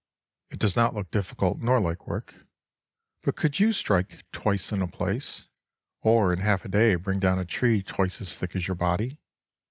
It does not look difficult nor like work; but could you strike "twice in a place," or in half a day bring down a tree twice as thick as your body?